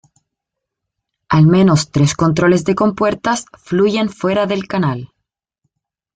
Al menos tres controles de compuertas fluyen fuera del canal.